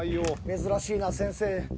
珍しいな先生。